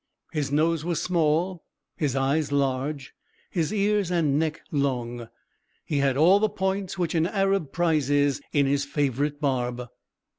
His nose was small, his eyes large, his ears and neck long. He had all the points which an Arab prizes in his favourite barb.